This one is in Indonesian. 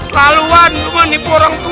laluan lu mah nipu orang tua